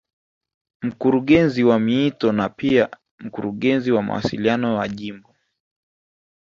Mkurungezi wa miito na pia Mkurungezi wa mawasiliano wa Jimbo